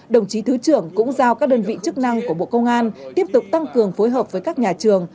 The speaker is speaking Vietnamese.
đồng chí thứ trưởng cũng giao các đơn vị chức năng của bộ công an tiếp tục tăng cường phối hợp với các nhà trường